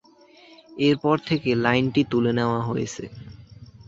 এরপর থেকে লাইনটি তুলে নেওয়া হয়েছে।